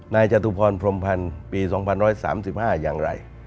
จตุพรพรมพันธ์ปี๒๓๕อย่างไร